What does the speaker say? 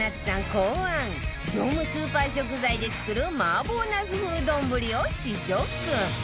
考案業務スーパー食材で作る麻婆ナス風丼を試食